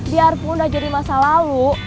biarpun udah jadi masa lalu